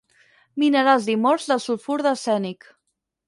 Minerals dimorfs del sulfur d'arsènic.